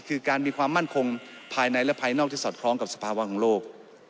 คือการมีความมั่นคงภายในและภายนอกที่สอดคล้องกับสภาวะของโลก